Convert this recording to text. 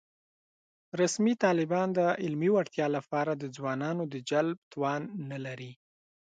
رسمي طالبان د علمي وړتیا له پاره د ځوانانو د جلب توان نه لري